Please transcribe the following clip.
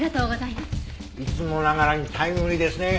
いつもながらにタイムリーですね。